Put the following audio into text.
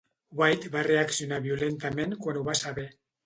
White va reaccionar violentament quan ho va saber.